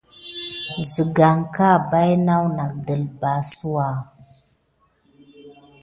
Məsamgəŋ mahkià pay an kəpelsouwa.